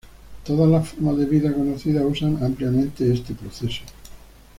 Todas las formas de vida conocidas usan ampliamente este proceso.